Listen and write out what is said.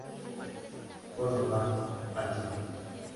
Córdoba: Alción.